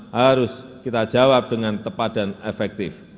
harus kita jawab dengan tepat dan efektif